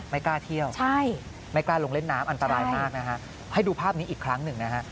ไม่กล้าเที่ยวใช่ไม่กล้าลงเล่นน้ำอันตรายมากนะฮะให้ดูภาพนี้อีกครั้งหนึ่งนะฮะ